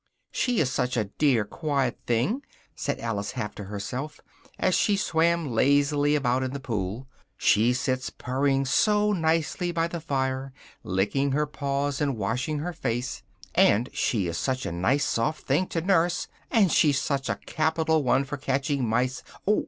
She is such a dear quiet thing," said Alice, half to herself, as she swam lazily about in the pool, "she sits purring so nicely by the fire, licking her paws and washing her face: and she is such a nice soft thing to nurse, and she's such a capital one for catching mice oh!